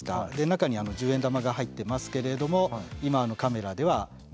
中に十円玉が入ってますけれども今カメラでは見えない。